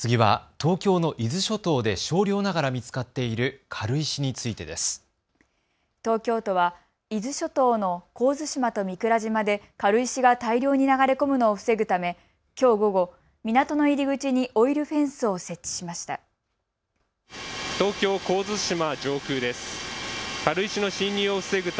東京都は伊豆諸島の神津島と御蔵島で軽石が大量に流れ込むのを防ぐためきょう午後、港の入り口にオイルフェンスを設置しました。